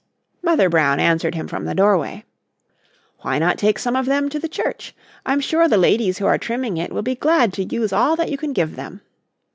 Mother Brown answered him from the doorway. "Why not take some of them to the church? I'm sure the ladies who are trimming it will be glad to use all that you can give them."